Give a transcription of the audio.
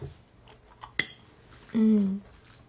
うん。